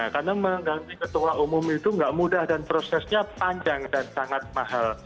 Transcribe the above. karena mengganti ketua umum itu tidak mudah dan prosesnya panjang dan sangat mahal